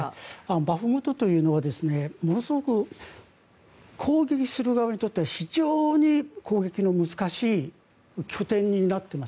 バフムトというのはものすごく攻撃する側にとっては非常に攻撃の難しい拠点になっています。